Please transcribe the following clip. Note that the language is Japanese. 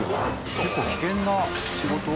結構危険な仕事？